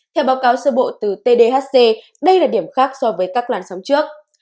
theo báo cáo sơ bộ từ tdhc đây là điểm khác so với các loàn sóng trước